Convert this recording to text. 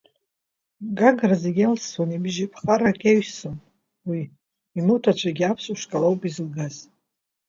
Гагра зегьы иалсуан ибжьы, ԥҟарак иаҩсуан уи, имоҭацәагьы аԥсуа школ ауп изылгаз.